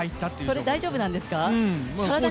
それ大丈夫なんですか。